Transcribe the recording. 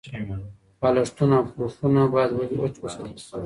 بالښتونه او پوښونه باید وچ وساتل شي.